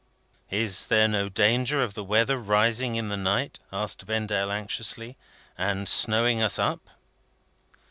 "Is there no danger of the weather rising in the night," asked Vendale, anxiously, "and snowing us up?"